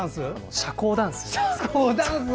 社交ダンス？